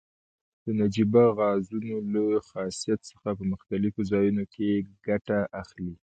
د نجیبه غازونو له خاصیت څخه په مختلفو ځایو کې ګټه اخلي.